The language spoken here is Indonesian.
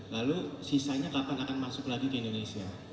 lalu sisanya kapan akan masuk lagi ke indonesia